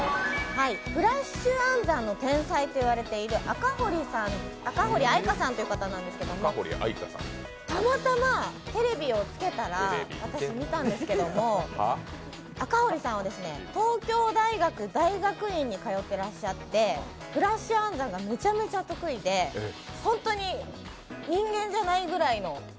フラッシュ暗算の天才と言われている赤堀愛果さんという方なんですけど、たまたまテレビをつけたら私、見たんですけども、赤堀さん、東京大学大学院に通ってらっしゃってフラッシュ暗算がめちゃめちゃ得意で、ホントに人間じゃないぐらいの。